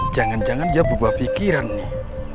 jangan jangan dia berubah pikiran nih